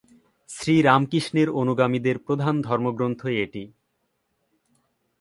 শ্রীরামকৃষ্ণের অনুগামীদের প্রধান ধর্মগ্রন্থ এটিই।